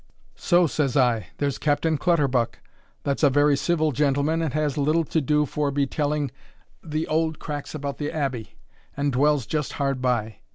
So, says I, there's Captain Clutterbuck, that's a very civil gentleman and has little to do forby telling a' the auld cracks about the Abbey, and dwells just hard by.